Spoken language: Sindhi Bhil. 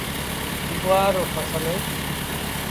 گُوآر رو ڦسل۔